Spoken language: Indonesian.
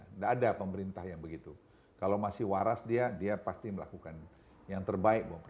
tidak ada pemerintah yang begitu kalau masih waras dia dia pasti melakukan yang terbaik